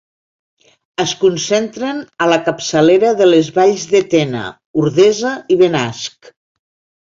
Es concentren a la capçalera de les valls de Tena, Ordesa i Benasc.